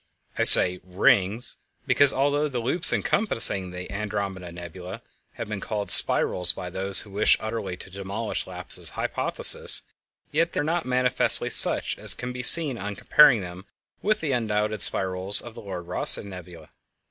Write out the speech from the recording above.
I say "rings" because although the loops encompassing the Andromeda Nebula have been called spirals by those who wish utterly to demolish Laplace's hypothesis, yet they are not manifestly such, as can be seen on comparing them with the undoubted spirals of the Lord Rosse Nebula.